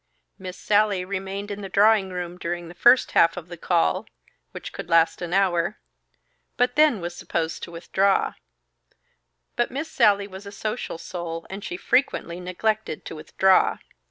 Miss Sallie remained in the drawing room during the first half of the call (which could last an hour), but was then supposed to withdraw. But Miss Sallie was a social soul, and she frequently neglected to withdraw.